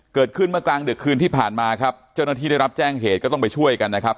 เกิดขึ้นเมื่อกลางดึกคืนที่ผ่านมาครับเจ้าหน้าที่ได้รับแจ้งเหตุก็ต้องไปช่วยกันนะครับ